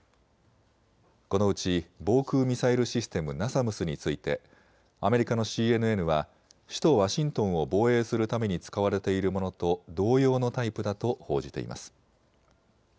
このうち防空ミサイルシステムナサムスについてアメリカのＣＮＮは首都ワシントンを防衛するために使われているものと同様のタイプだと報じています。